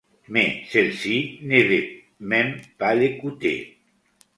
Mais celle-ci ne veut même pas l'écouter.